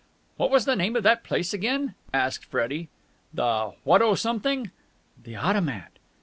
"What was the name of that place again?" asked Freddie. "The what ho something?" "The Automat?"